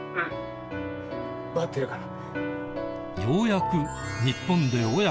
待ってるから。